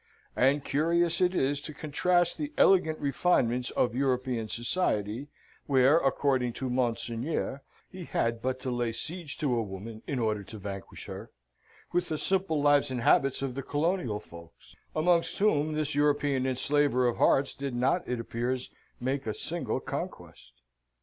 And curious it is to contrast the elegant refinements of European society, where, according to monseigneur, he had but to lay siege to a woman in order to vanquish her, with the simple lives and habits of the colonial folks, amongst whom this European enslaver of hearts did not, it appears, make a single conquest.